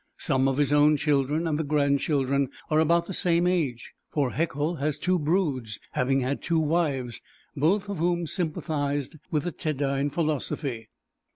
Some of his own children and the grandchildren are about the same age, for Haeckel has two broods, having had two wives, both of whom sympathized with the Teddine philosophy.